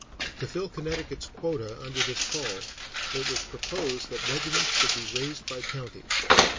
To fill Connecticut's quota under this call, it was proposed that regiments should be raised by counties.